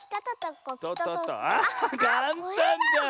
あかんたんじゃん！